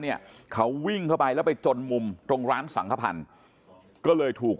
เนี่ยเขาวิ่งเข้าไปแล้วไปจนมุมตรงร้านสังขพันธ์ก็เลยถูก